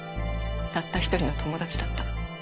たった一人の友達だった。